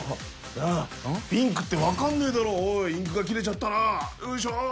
なぁピンクって分かんねえだろおいインクが切れちゃったら。